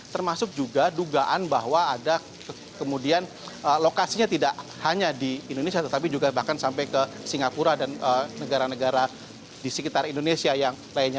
termasuk juga dugaan bahwa ada kemudian lokasinya tidak hanya di indonesia tetapi juga bahkan sampai ke singapura dan negara negara di sekitar indonesia yang lainnya